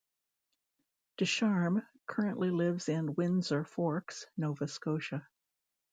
Ducharme currently lives in Windsor Forks, Nova Scotia.